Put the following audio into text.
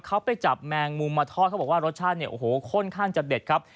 เขาไปจับแมงมุมมาทอดเขาบอกว่ารสชาติเนี่ยโอ้โหค่อนข้างจะเด็ดครับ